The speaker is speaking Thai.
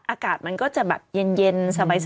อากาศมันก็จะแบบเย็นสบาย